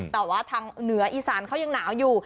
แต่ว่าทางเหนืออีสานเขายังหนาวอยู่